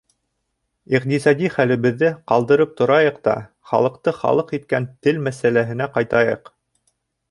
Иҡтисади хәлебеҙҙе ҡалдырып торайыҡ та халыҡты халыҡ иткән тел мәсьәләһенә ҡайтайыҡ.